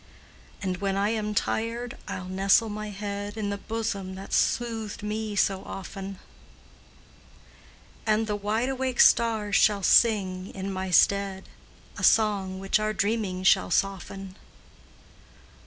And when I am tired I'll nestle my head In the bosom that's soothed me so often, And the wide awake stars shall sing, in my stead, A song which our dreaming shall soften.